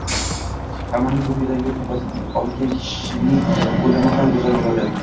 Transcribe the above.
Hammaning koʻngliga yoʻl topaolgan kishining oʻlimi ham goʻzal boʻladi